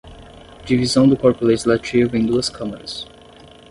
Divisão do corpo legislativo em duas câmaras.